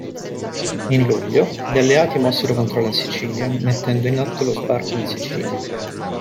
In luglio, gli Alleati mossero contro la Sicilia, mettendo in atto l'Sbarco in Sicilia.